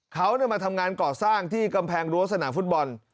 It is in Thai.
เขามาทำงานก่อสร้างที่กำแพงรั้วสนามฟุตบอล